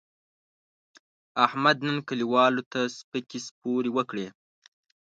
احمد نن کلیوالو ته سپکې سپورې وکړې.